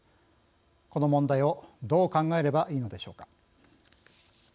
この問題をどう考えればいいのでしょうか。